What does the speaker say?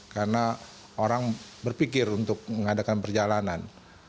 karena orang berpikir untuk mengadakan perjalanan